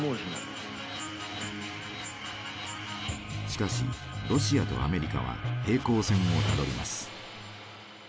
しかしロシアとアメリカは平行線をたどります。